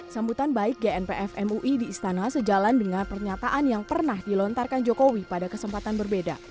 sambutan baik gnpf mui di istana sejalan dengan pernyataan yang pernah dilontarkan jokowi pada kesempatan berbeda